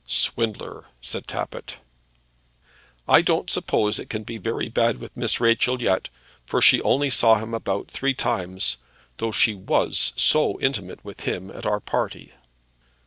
"Swindler!" said Tappitt. "I don't suppose it can be very bad with Miss Rachel yet, for she only saw him about three times, though she was so intimate with him at our party."